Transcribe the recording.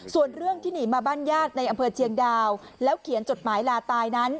ส่วนเรื่องที่หนีมาบ้านญาติในอำเภอเชียงดาวแล้วเขียนจดหมายลาตายนั้น